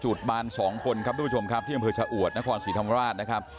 จูดบานสองคนครับทุกผู้ชมครับที่เยี่ยมเผือเฉาะนครสวีธรรมราชนะครับ